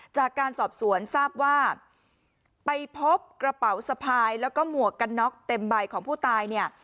จากการสอบสวนทราบว่าไปพบกระเป๋าสะพายแล้วก็หมวกกันน็อกเต็มใบของผู้ตายเนี่ย